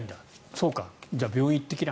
そうかじゃあ病院に行ってきな。